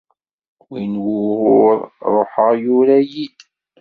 Win wuɣur ṛuḥeɣ yura-yi-d.